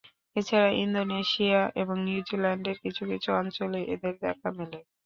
এছাড়াও ইন্দোনেশিয়া এবং নিউজিল্যান্ডের কিছু কিছু অঞ্চলেও এদের দেখা মেলে।